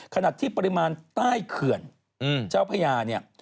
ขณะที่ปริมาณใต้เขื่อนเจ้าพญาเนี่ย